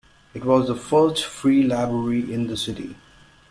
It was the first free library in the city.